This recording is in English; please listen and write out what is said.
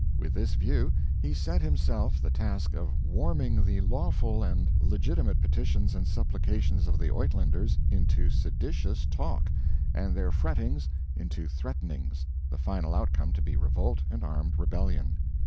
With this view he set himself the task of warming the lawful and legitimate petitions and supplications of the Uitlanders into seditious talk, and their frettings into threatenings the final outcome to be revolt and armed rebellion.